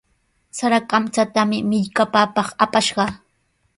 Sara kamchatami millkapanpaq apashqa.